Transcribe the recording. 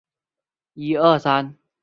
本资料来源取自悠游台湾铁道网站。